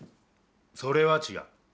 それは違う。